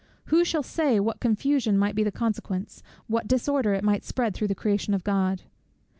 Who shall say what confusion might be the consequence, what disorder it might spread through the creation of God?